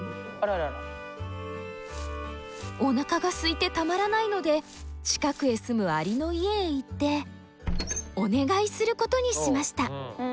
おなかがすいてたまらないので近くへ住むアリの家へ行ってお願いすることにしました。